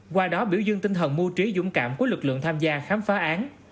qua đó biểu dương tinh thần mưu trí dũng cảm của lực lượng tham gia khám phá án